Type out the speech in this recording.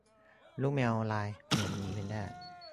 ลูกแมวลายเหมือนหมีแพนด้า